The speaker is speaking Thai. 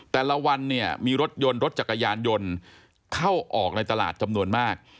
แต่ละวันเนี่ยมีรถยนต์รถจักรยานยนต์เข้าออกในตลาดจำนวนมาก